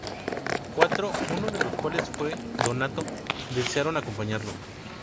Cuatro, uno de los cuales fue Donato, desearon acompañarlo.